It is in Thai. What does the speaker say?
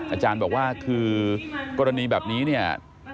อาจารย์บอกว่าคือกรณีแบบนี้เนี่ย